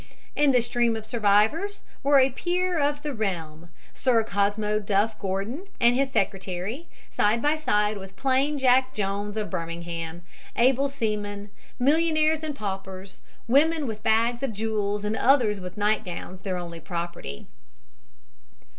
In the stream of survivors were a peer of the realm, Sir Cosmo Duff Gordon, and his secretary, side by side with plain Jack Jones, of Birmingham, able seaman, millionaires and paupers, women with bags of jewels and others with nightgowns their only property.